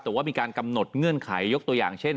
แต่ว่ามีการกำหนดเงื่อนไขยกตัวอย่างเช่น